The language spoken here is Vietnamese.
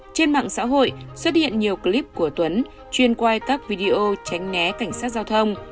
trên mạng xã hội xuất hiện nhiều clip của tuấn chuyên quay các video tránh né cảnh sát giao thông